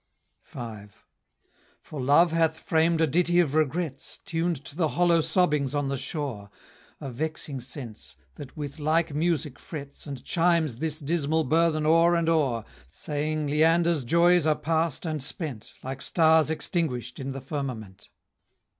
V. For Love hath framed a ditty of regrets, Tuned to the hollow sobbings on the shore, A vexing sense, that with like music frets, And chimes this dismal burthen o'er and o'er, Saying, Leander's joys are past and spent, Like stars extinguish'd in the firmament.